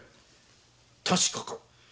確かか？